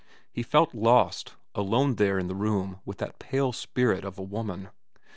He felt lost, alone there in the room with that pale spirit of a woman.